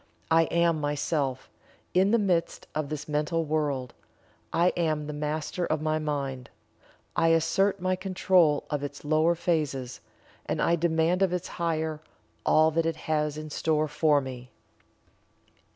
I Am Myself, in the midst of this mental world I am the Master of my Mind I assert my control of its lower phases, and I demand of its higher all that it has in store for me.